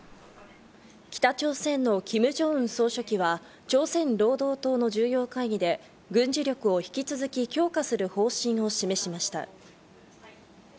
北朝鮮のキム・ジョンウン総書記は朝鮮労働党の重要会議で軍事力を引き続き強化する方針を示しました。